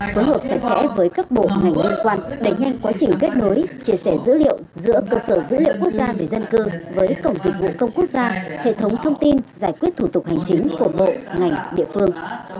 phối hợp chặt chẽ với các bộ ngành liên quan đánh nhanh quá trình kết nối chia sẻ dữ liệu giữa cơ sở dữ liệu quốc gia về dân cư với cổng dịch vụ công quốc gia hệ thống thông tin giải quyết thủ tục hành chính của bộ ngành địa phương